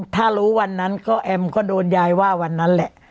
ถ้ารู้วันนั้นก็แอมก็โดนยายว่าวันนั้นแหละ